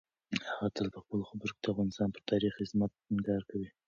هغه تل په خپلو خبرو کې د افغانستان پر تاریخي عظمت ټینګار کوي.